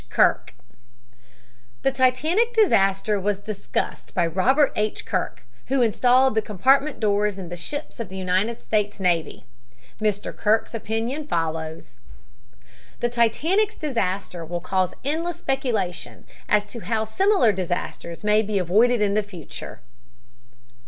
KIRK The Titanic disaster was discussed by Robert H. Kirk, who installed the compartment doors in the ships of the United States Navy. Mr. Kirk's opinion follows: "The Titanic's disaster will cause endless speculation as to how similar disasters may be avoided in the future.